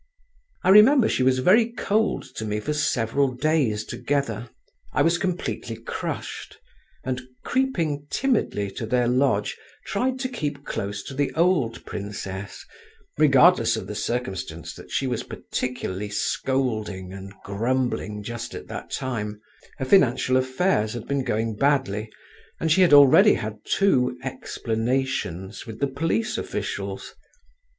I remember she was very cold to me for several days together; I was completely crushed, and creeping timidly to their lodge, tried to keep close to the old princess, regardless of the circumstance that she was particularly scolding and grumbling just at that time; her financial affairs had been going badly, and she had already had two "explanations" with the police officials.